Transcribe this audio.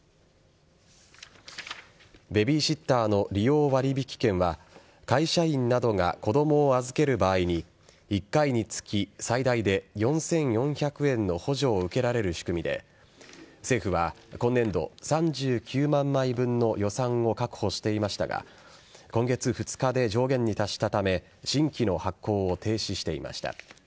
ベビーシッターの利用割引券は会社員などが子供を預ける場合に１回につき最大で４４００円の補助を受けられる仕組みで政府は今年度３９万枚分の予算を確保していましたが今月２日で上限に達したため新規の発行を停止していました。